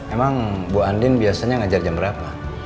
emang bu andin biasanya ngajar jam berapa